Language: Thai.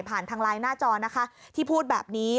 ทางไลน์หน้าจอนะคะที่พูดแบบนี้